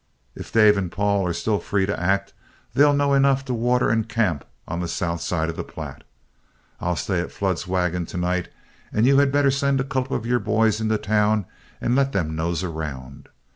If Dave and Paul are still free to act, they'll know enough to water and camp on the south side of the Platte. I'll stay at Flood's wagon to night, and you had better send a couple of your boys into town and let them nose around.